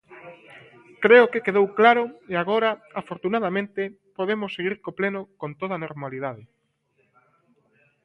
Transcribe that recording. Creo que quedou claro, e agora, afortunadamente, podemos seguir co pleno con toda normalidade.